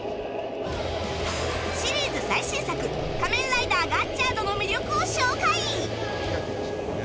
シリーズ最新作「仮面ライダーガッチャード」の魅力を紹介！